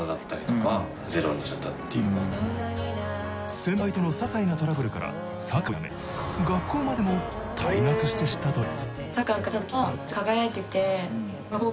先輩とのささいなトラブルからサッカーをやめ学校までも退学してしまったという。